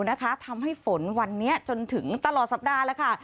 นะคะทำให้ฝนวันนี้จนถึงตลอดสัปดาห์แล้วค่ะ